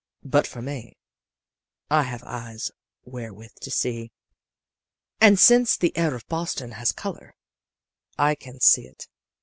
But for me, I have eyes wherewith to see and since the air of Boston has color, I can see it.